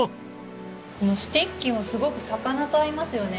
このスティッキオすごく魚と合いますよね。